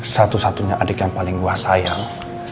satu satunya adik yang paling tua sayang